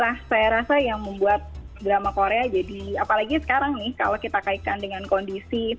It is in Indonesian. nah saya rasa yang membuat drama korea jadi apalagi sekarang nih kalau kita kaitkan dengan kondisi